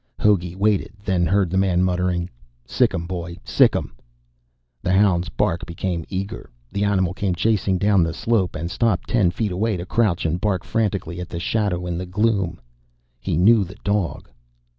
Hogey waited, then heard the man muttering, "Sic 'im, boy, sic 'im." The hound's bark became eager. The animal came chasing down the slope, and stopped ten feet away to crouch and bark frantically at the shadow in the gloom. He knew the dog.